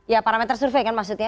ya parameter survei kan maksudnya